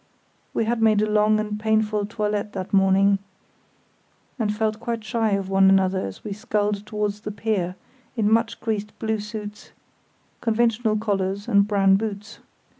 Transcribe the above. We had made a long and painful toilette that morning, and felt quite shy of one another as we sculled towards the pier, in much creased blue suits, conventional collars, and brown boots.